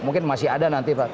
mungkin masih ada nanti